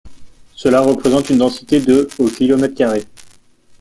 Cela représente une densité de au kilomètre carré.